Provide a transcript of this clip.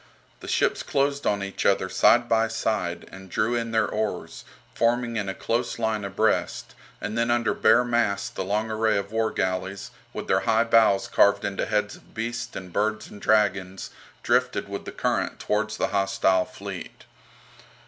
The ships closed on each other side by side, and drew in their oars, forming in close line abreast, and then under bare masts the long array of war galleys, with their high bows carved into heads of beasts and birds and dragons, drifted with the current towards the hostile fleet.